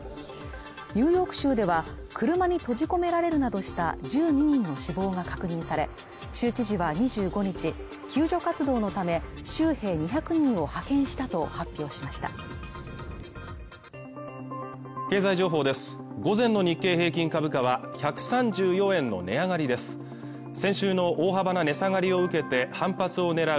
ニューヨーク州では車に閉じ込められるなどした１２人の死亡が確認され州知事は２５日救助活動のため州兵２００人を派遣したと発表しました与作は木をきる与作？